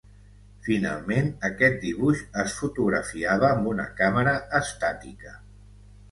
Finalment, aquest dibuix es fotografiava amb una càmera estàtica.